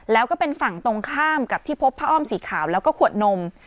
แล้วก็เป็นฝั่งตรงข้ามกับที่พบผ้าอ้อมสีขาวแล้วก็ขวดนม